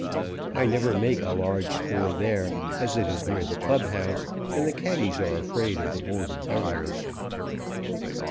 I never make a large score there, as it is near the club house and the caddies are afraid of the Board of Governors.